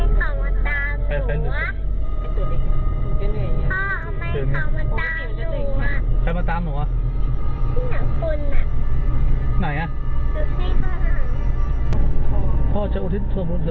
ไม่เค้ามาตามหนูอ่ะ